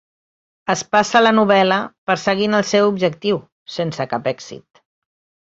Es passa la novel·la perseguint el seu objectiu, sense cap èxit.